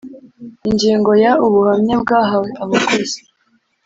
Ingingo ya ubuhamya bwahawe abakozi